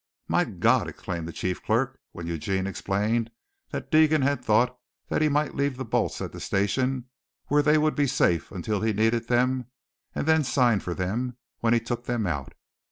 "My God!" exclaimed the chief clerk, when Eugene explained that Deegan had thought that he might leave the bolts at the station where they would be safe until he needed them and then sign for them when he took them out.